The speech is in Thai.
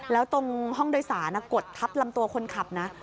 แล้วตรงห้องโดยสารกดทับลำตัวคนขับนะ